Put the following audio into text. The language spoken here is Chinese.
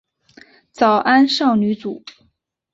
早安少女组。